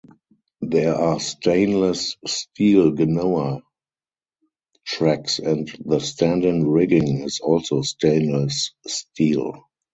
There are stainless steel genoa tracks and the standing rigging is also stainless steel.